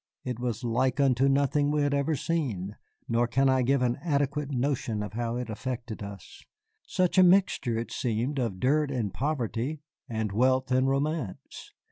It was like unto nothing we had ever seen, nor can I give an adequate notion of how it affected us, such a mixture it seemed of dirt and poverty and wealth and romance.